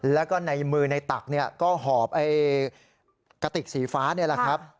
แล้วก็ในมือในตักเนี่ยก็หอบไอ้กระติกสีฟ้านี่แหละครับ